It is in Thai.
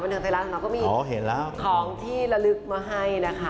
วันเทิงไทยราชนักก็มีของที่ละลึกมาให้